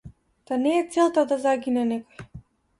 Та не е целта да загине некој!